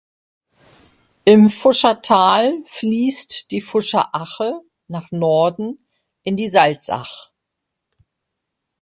Im Fuscher Tal fließt die Fuscher Ache nach Norden in die Salzach.